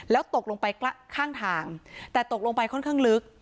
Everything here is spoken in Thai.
แล้วตกลงไปข้างทางแต่ตกลงไปค่อนข้างลึก